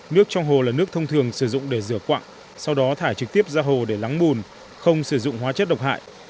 nước trong hồ là nước thông thường sử dụng để rửa quặng sau đó thải trực tiếp ra hồ để lắng bùn không sử dụng hóa chất độc hại